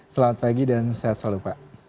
selamat pagi dan sehat selalu pak